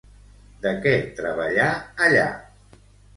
De què treballà allà?